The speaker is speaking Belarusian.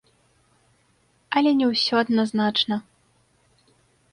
Але не ўсё адназначна.